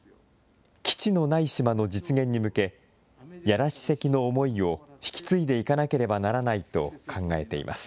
基地のない島の実現に向け、屋良主席の思いを引き継いでいかなければならないと考えています。